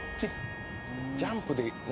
「ジャンプでね